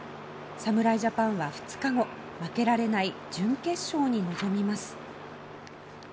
侍ジャパンは２日後負けられない準決勝に臨みます。